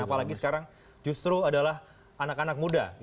apalagi sekarang justru adalah anak anak muda